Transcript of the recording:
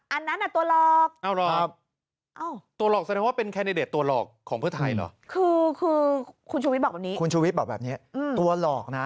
อันนั้นน่ะตัวหลอก